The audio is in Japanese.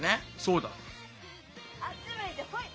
あっち向いてホイ！